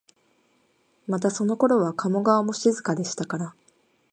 またそのころは加茂川も静かでしたから、